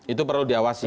itu perlu diawasi